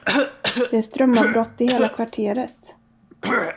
Det är strömavbrott i hela kvarteret.